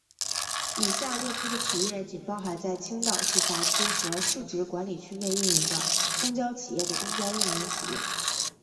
以下列出的企业仅包含在青岛市辖区和市直管理区内运营的公交企业的公交运营企业。